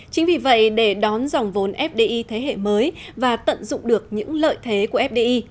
chính vì vậy để đón dòng vốn fdi thế hệ mới và tận dụng được những lợi thế của fdi